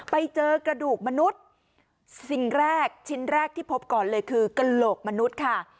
ไปเจอกระดูกมนุษย์สิ่งแรกชิ้นแรกที่พบก่อนเลยคือกระโหลกมนุษย์ค่ะ